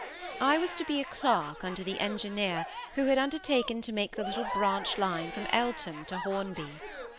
I was to be a clerk under the engineer who had undertaken to make the little branch line from Eltham to Hornby.